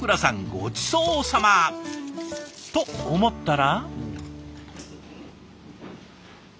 ごちそうさま！と思ったら。